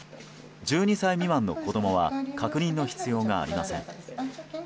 １２歳未満の子供は確認の必要がありません。